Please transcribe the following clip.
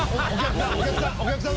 お客さん